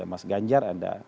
mas ganjar ada